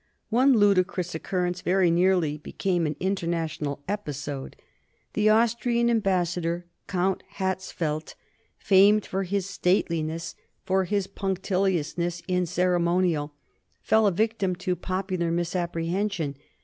One ludicrous occurrence very nearly became an international episode. The Austrian Ambassador, Count Hatzfeldt, famed for his stateliness, for his punctiliousness in ceremonial, fell a victim to popular misapprehension.